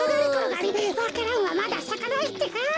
わか蘭はまださかないってか？